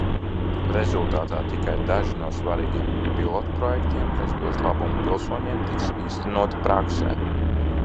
Rezultātā tikai daži no svarīgiem pilotprojektiem, kas dos labumu pilsoņiem, tiks īstenoti praksē.